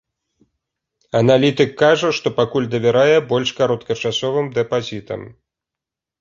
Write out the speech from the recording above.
Аналітык кажа, што пакуль давярае больш кароткачасовым дэпазітам.